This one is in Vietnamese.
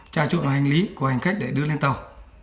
trà trộn vào hành lý của hành khách để đưa lên tàu